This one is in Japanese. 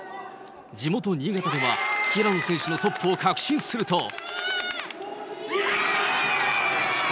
地元、新潟では、平野選手のトップを確信すると。